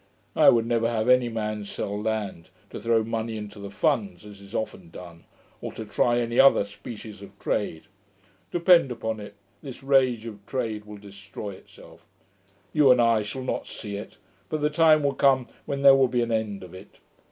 I would never have any man sell land, to throw money into the funds, as is often done, or to try any other species of trade. Depend upon it, this rage of trade will destroy itself. You and I shall not see it; but the time will come when there will be an end of it.